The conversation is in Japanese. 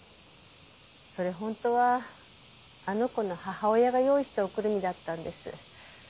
それ本当はあの子の母親が用意したおくるみだったんです。